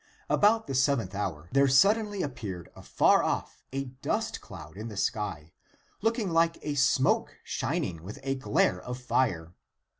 About the seventh hour, there suddenly appeared afar off a dust cloud in the sky, looking like a smoke shining wuth a glare of fire.